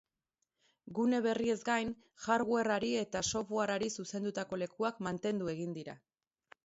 Gune berriez gain, hardaware-i eta software-i zuzendutako lekuak mantendu egin dira.